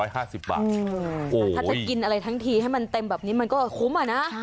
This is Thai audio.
ถ้าจะกินอะไรทั้งทีให้มันเต็มแบบนี้มันก็คุ้มอะนะ